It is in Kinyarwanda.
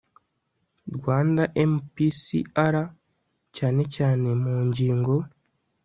rwanda mpcr cyane cyane mu ngingo